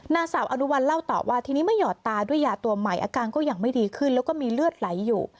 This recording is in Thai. นางสาวอนุวัลเล่าต่อว่าทีนี้เมื่อหยอดตาด้วยยาตัวใหม่อาการก็ยังไม่ดีขึ้นแล้วก็มีเลือดไหลอยู่